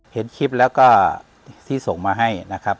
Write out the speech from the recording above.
เห็นคลิปแล้วก็ที่ส่งมาให้นะครับ